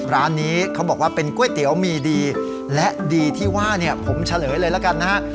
ร้านนี้เขาบอกว่าเป็นก๋วยเตี๋ยวมีดีและดีที่ว่าเนี่ยผมเฉลยเลยละกันนะฮะ